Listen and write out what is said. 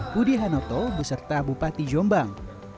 budi hanoto beserta bupati jombang